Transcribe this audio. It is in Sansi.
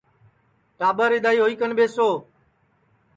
ٹاٻر اِدؔائے ہوئی کن ٻیسو